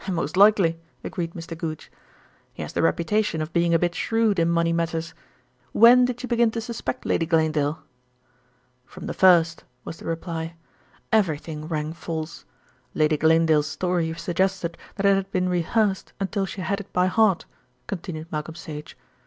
"Most likely," agreed Mr. Goodge. "He has the reputation of being a bit shrewd in money matters. When did you begin to suspect Lady Glanedale?" "From the first," was the reply. "Everything rang false. Lady Glanedale's story suggested that it had been rehearsed until she had it by heart," continued Malcolm Sage.